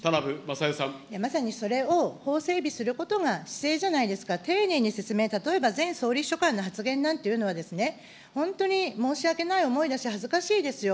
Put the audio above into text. まさにそれを法整備することが、姿勢じゃないですか、丁寧に説明、例えば、前総理秘書官の発言なんていうのはですね、本当に申し訳ない思いだし、恥ずかしいですよ。